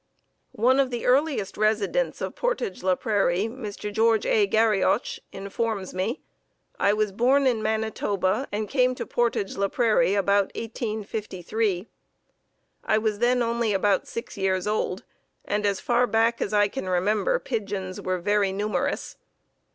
One of the earliest residents of Portage la Prairie, Mr. George A. Garrioch, informs me: "I was born in Manitoba and came to Portage la Prairie about 1853. I was then only about six years old, and as far back as I can remember pigeons were very numerous.